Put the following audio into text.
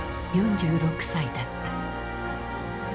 ４６歳だった。